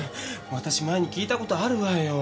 私前に聞いた事あるわよ。